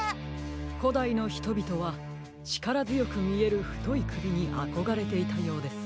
こだいのひとびとはちからづよくみえるふといくびにあこがれていたようです。